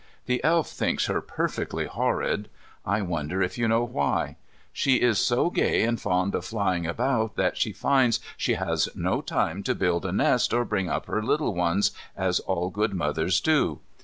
The Elf thinks her perfectly horrid. I wonder if you know why? She is so gay and fond of flying about that she finds she has no time to build a nest or bring up her little ones as all good mothers do.